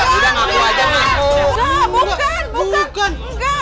bukan bukan bukan